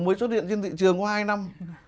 mới xuất hiện trên thị trường có hai năm